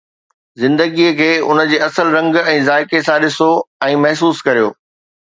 زندگي کي ان جي اصل رنگ ۽ ذائقي سان ڏسو ۽ محسوس ڪريو.